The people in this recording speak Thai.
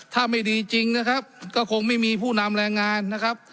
ถ้าไม่ดีจริงนะครับก็คงไม่มีผู้นำแรงงานนะครับ